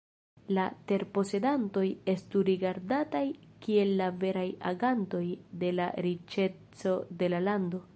La terposedantoj estu rigardataj kiel la veraj agantoj de la riĉeco de la lando.